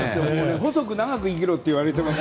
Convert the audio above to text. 細く長く生きろって言われています。